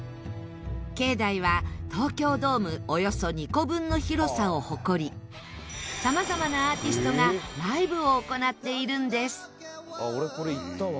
境内は東京ドームおよそ２個分の広さを誇りさまざまなアーティストがライブを行っているんです。